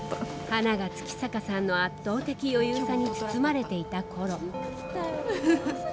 花が、月坂さんの圧倒的余裕さに包まれていた頃。